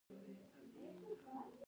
ما هغه ته د غږېدو او اورېدو فکر ورکړ.